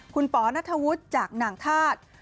คุณป๋อนัทธวุฒิจากหนังธาตุ